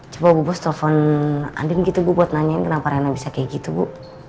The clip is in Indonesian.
coba bu bos telfon andin gitu buat nanyain kenapa rena bisa kayak gitu bu